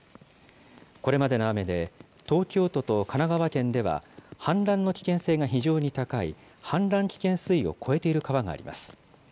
これまでの雨で東京都と神奈川県では、氾濫の危険性が非常に高い氾濫危険水位を超えている川があります。